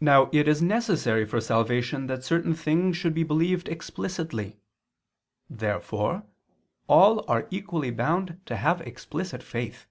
Now it is necessary for salvation that certain things should be believed explicitly. Therefore all are equally bound to have explicit faith.